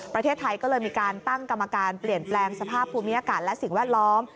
ประเทศไทยก็เลยมีการตั้งกรรมการเปลี่ยนแปลงสภาพภูมิอากาศและสิ่งแวดล้อม